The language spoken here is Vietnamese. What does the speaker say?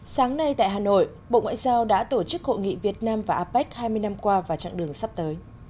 sáng nay tại hà nội bộ ngoại giao đã tổ chức hội nghị việt nam và apec hai mươi năm qua và chặng đường sắp tới